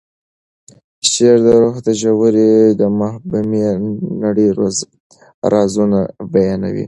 شعر د روح د ژورې او مبهمې نړۍ رازونه بیانوي.